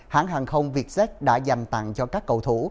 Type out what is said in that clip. hãng hàng không vietjet đã dành tặng cho các cầu thủ